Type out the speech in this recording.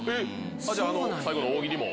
じゃああの最後の大喜利も？